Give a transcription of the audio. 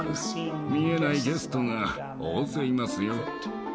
見えないゲストが大勢いますよ。